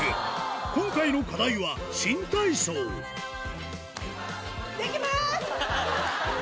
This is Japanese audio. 今回の課題は新体操できます！